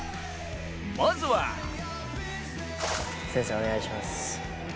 まずは先生、お願いします。